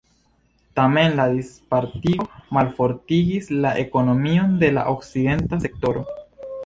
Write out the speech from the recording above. Tamen la dispartigo malfortigis la ekonomion de la okcidenta sektoro.